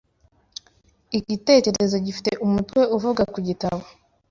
igitekerezo gifite umutwe uvuga ku gitabo